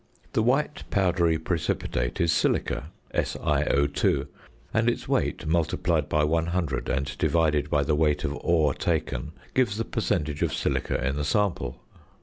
The white powdery precipitate is silica (SiO_), and its weight, multiplied by 100, and divided by the weight of ore taken, gives the percentage of silica in the sample.